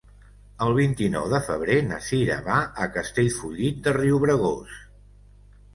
El vint-i-nou de febrer na Cira va a Castellfollit de Riubregós.